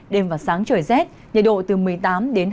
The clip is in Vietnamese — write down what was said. đêm và sáng trời rét nhiệt độ từ một mươi tám đến hai mươi chín độ